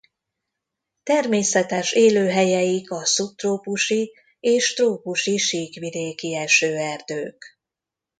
Természetes élőhelyeik a szubtrópusi és trópusi síkvidéki esőerdők.